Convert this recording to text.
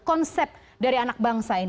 konsennya juga sangat sangat diperhatikan